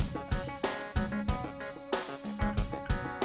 buat buka puasa